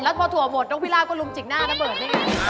แล้วพอถั่วหมดตรงพี่ลาดก็ลุ้มจิ่งหน้าน้ำเบิร์น